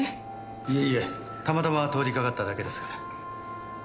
いえいえたまたま通りかかっただけですから。